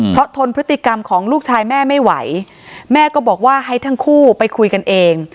เพราะทนพฤติกรรมของลูกชายแม่ไม่ไหวแม่ก็บอกว่าให้ทั้งคู่ไปคุยกันเอง